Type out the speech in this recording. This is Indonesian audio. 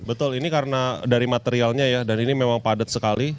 betul ini karena dari materialnya ya dan ini memang padat sekali